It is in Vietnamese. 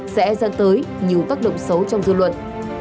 sẽ dẫn tới nhiều tác động xấu trong dư luận